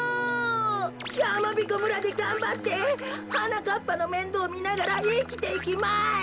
やまびこ村でがんばってはなかっぱのめんどうみながらいきていきます。